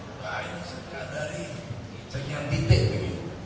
nah ini sekadar sekian titik lagi